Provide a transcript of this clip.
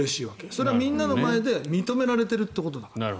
それはみんなの前で認められているということだから。